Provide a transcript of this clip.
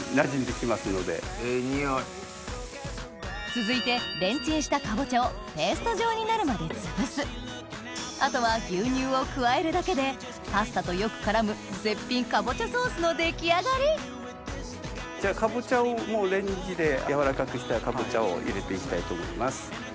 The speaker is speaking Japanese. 続いてレンチンしたかぼちゃをペースト状になるまでつぶすあとは牛乳を加えるだけでパスタとよく絡む絶品かぼちゃソースの出来上がりレンジで軟らかくしたかぼちゃを入れて行きたいと思います。